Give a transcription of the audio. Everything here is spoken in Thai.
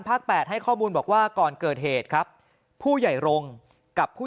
แปดให้ข้อมูลบอกว่าก่อนเกิดเหตุครับผู้ใหญ่รงค์กับผู้